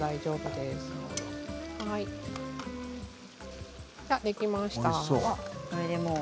できました。